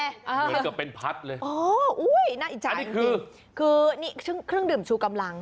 เหมือนกับเป็นพัดเลยอ๋ออุ้ยน่าอิจฉาจริงคือนี่เครื่องดื่มชูกำลัง